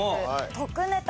特ネタ